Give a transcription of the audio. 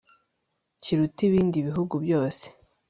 kiruta ibindi bihugu byose